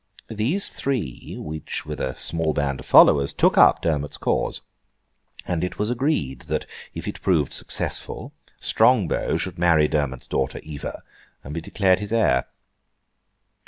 These three, each with a small band of followers, took up Dermond's cause; and it was agreed that if it proved successful, Strongbow should marry Dermond's daughter Eva, and be declared his heir.